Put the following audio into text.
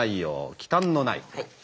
「忌憚のない」。